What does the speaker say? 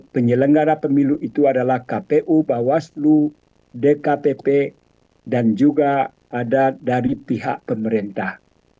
penyelenggara pemilu itu adalah kpu bawaslu dkpp dan juga ada dari pihak pemerintah